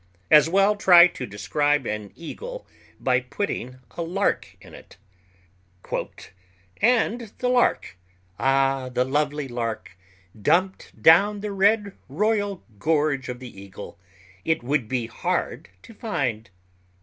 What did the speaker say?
As well try to describe an eagle by putting a lark in it. "And the lark—ah, the lovely lark! Dumped down the red, royal gorge of the eagle, it would be hard to find."